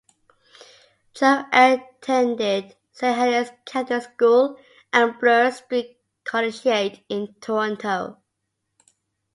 Joe attended Saint Helen's Catholic School and Bloor Street Collegiate in Toronto.